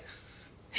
え？